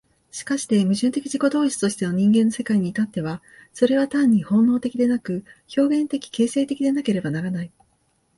しかして矛盾的自己同一としての人間の世界に至っては、それは単に本能的でなく、表現的形成的でなければならない。